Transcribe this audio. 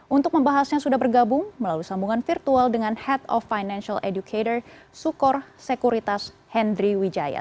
untuk membahasnya sudah bergabung melalui sambungan virtual dengan head of financial educator sukor sekuritas henry wijaya